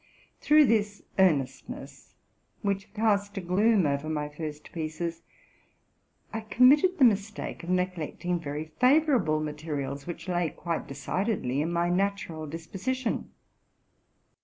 Through this earnestness, which cast a gloom over my first pieces, I committed the mistake of neglecting very favorable materials which lay quite decidedly in my natural disposition.